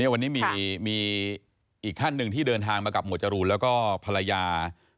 วันนี้มีอีกท่านหนึ่งที่เดินทางมากับหมวดจรูนแล้วก็ภรรยา